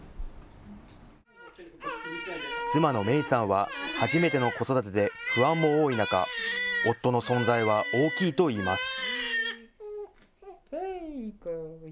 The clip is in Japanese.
妻の芽衣さんは初めての子育てで不安も多い中、夫の存在は大きいといいます。